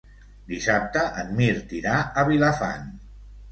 Dissabte en Mirt irà a Vilafant.